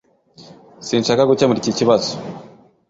sinshaka gukemura iki kibazo